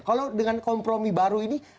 kalau dengan kompromi baru ini